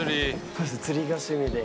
「そうですね釣りが趣味で」